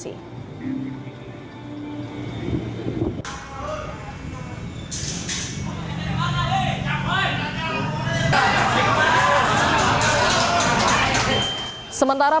sementara penumpukan penumpang di dalam kereta dibatasi